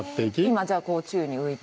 今じゃこう宙に浮いて。